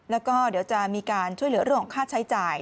แล้วก็เดี๋ยวจะมีการช่วยเหลือเรื่องของค่าใช้จ่าย